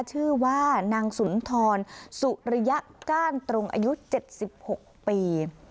ชื่อว่านางสุนทรสุริยก้านตรงอายุ๗๖ปี